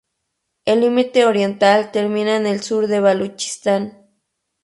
El límite oriental termina en el sur de Baluchistán.